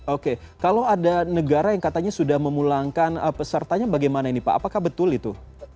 oke kalau ada negara yang katanya sudah memulangkan pesertanya bagaimana ini pak apakah betul itu